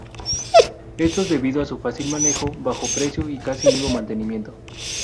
Esto es debido a su fácil manejo, bajo precio y casi nulo mantenimiento.